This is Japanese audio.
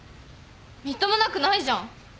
みっともなくないじゃん。